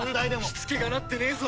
しつけがなってねえぞ！